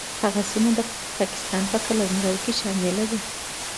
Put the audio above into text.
هغه سیمه د پاکستان په قلمرو کې شامله ده.